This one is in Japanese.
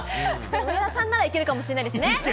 上田さんならいけるかもしれいけるか！